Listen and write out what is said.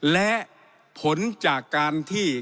และผลจากการที่